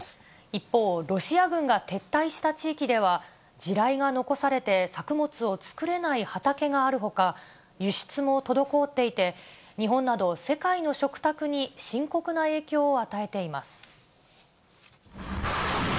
一方、ロシア軍が撤退した地域では、地雷が残されて作物を作れない畑があるほか、輸出も滞っていて、日本など世界の食卓に深刻な影響を与えています。